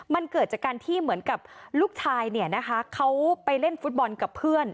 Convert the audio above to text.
มันเกิดจากการที่เหมือนกับลูกชายเนี่ยนะคะเขาไปเล่นฟุตบอลกับเพื่อน